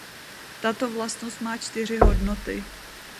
Tato vlastnost má čtyři hodnoty.